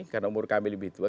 karena umur kami lebih tua